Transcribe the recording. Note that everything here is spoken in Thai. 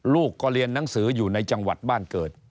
ลูกก็เรียนหนังสืออยู่ในจังหวัดบ้านเกิด